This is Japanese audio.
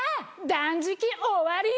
断食終わり！